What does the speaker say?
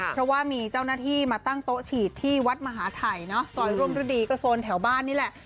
เพราะว่ามีเจ้าหน้าที่มาตั้งโต๊ะฉีดที่วัดมหาไทยเนอะซอยร่วมฤดีก็โซนแถวบ้านนี่แหละ